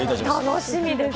楽しみです。